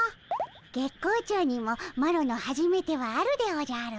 月光町にもマロのはじめてはあるでおじゃる。